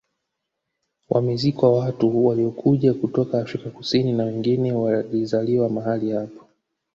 Wamezikwa watu waliokuja kutoka Afrika Kusini na wengine walizaliwa mahali hapo